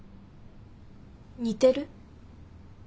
似てる？